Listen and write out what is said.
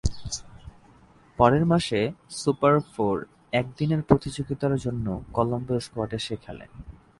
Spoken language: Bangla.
পরের মাসে সুপার ফোর একদিনের প্রতিযোগিতার জন্যও কলম্বো স্কোয়াডে সে খেলে।